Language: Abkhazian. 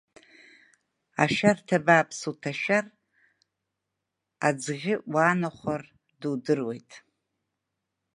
Ашәарҭа бааԥс уҭашәар, аӡӷьы уаанахәар дудыруеит.